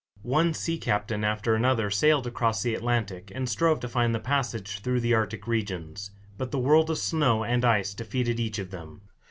One sea captain after another sailed across the Atlantic, and strove to find the passage through the Arctic regions; but the world of snow and ice defeated each of them.